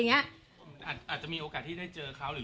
อาจจะมีโอกาสที่ได้เจอเขาหรือ